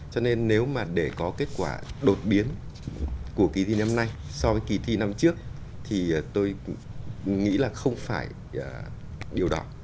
cho nên nếu mà để có kết quả đột biến của kỳ thi năm nay so với kỳ thi năm trước thì tôi nghĩ là không phải điều đó